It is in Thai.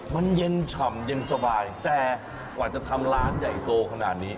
มันเย็นฉ่ำเย็นสบายแต่กว่าจะทำร้านใหญ่โตขนาดนี้